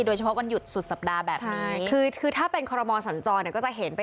โดยเฉพาะวันหยุดสุดสัปดาห์แบบนี้ใช่ก็จะเห็นไป